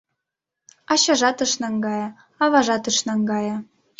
Ачажат ыш наҥгае, аважат ыш наҥгае